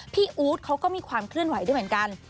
อู๊ดเขาก็มีความเคลื่อนไหวด้วยเหมือนกัน